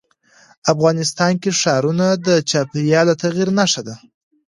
افغانستان کې ښارونه د چاپېریال د تغیر نښه ده.